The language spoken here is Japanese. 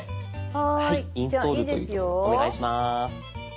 お願いします。